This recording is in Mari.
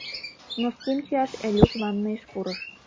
Носким чияш Элюк ванныйыш пурыш.